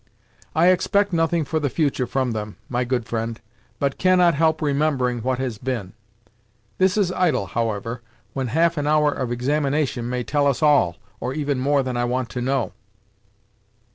"I expect nothing for the future from them, my good friend, but cannot help remembering what has been. This is idle, however, when half an hour of examination may tell us all, or even more than I want to know."